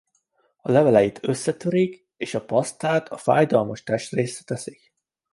A leveleit összetörik és a pasztát a fájdalmas testrészre teszik.